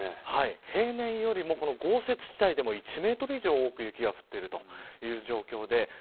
平年よりも、豪雪地帯でも１メートル以上多く雪が降ってる状況です。